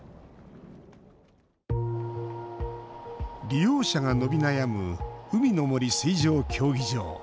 利用者が伸び悩む海の森水上競技場。